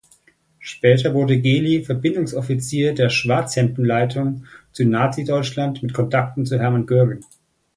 Später wurde Gelli Verbindungsoffizier der „Schwarzhemden“-Leitung zu Nazi-Deutschland mit Kontakten zu Hermann Göring.